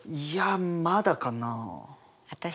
いやまだかなあ。